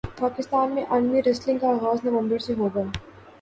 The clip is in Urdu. پاکستان میں عالمی ریسلنگ کا اغاز نومبر سے ہوگا